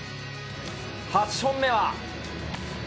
８本目は。